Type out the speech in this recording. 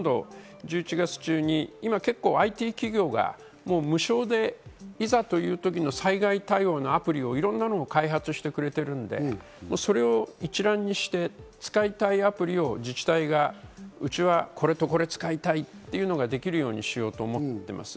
１１月中に今結構、ＩＴ企業が無償でいざという時の災害対応のアプリをいろんなのを開発してくれてるのでそれを一覧にして使いたいアプリを自治体がうちはこれとこれ使いたいっていうのができるようにしようと思っています。